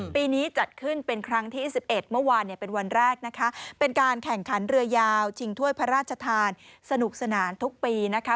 ปีนี้จัดขึ้นเป็นครั้งที่๑๑เมื่อวานเนี่ยเป็นวันแรกนะคะเป็นการแข่งขันเรือยาวชิงถ้วยพระราชทานสนุกสนานทุกปีนะคะ